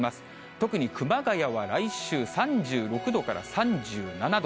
特に熊谷は来週、３６度から３７度。